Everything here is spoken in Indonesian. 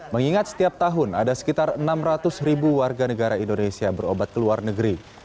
mengingat setiap tahun ada sekitar enam ratus ribu warga negara indonesia berobat ke luar negeri